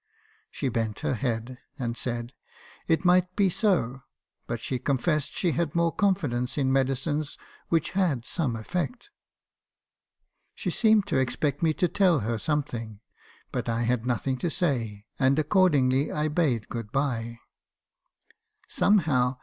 She bent her head, and said, 'It might be so; but she confessed she had more confidence in medicines which had some effect.' " She seemed to expect me to tell her something; but I had nothing to say, and accordingly I bade good bye. Somehow 280 5b.